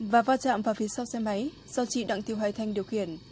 và va chạm vào phía sau xe máy do chị đặng thị hoài thanh điều khiển